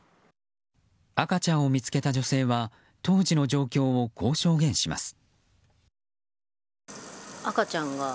赤ちゃんを見つけた女性は当時の状況をこう証言します。